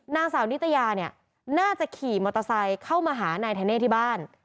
นางสาวนิตยาเนี่ยน่าจะขี่มอเตอร์ไซค์เข้ามาหานายธเน่ที่บ้าน